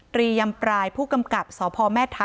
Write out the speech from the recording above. ยำปลายผู้กำกับสพแม่ทะ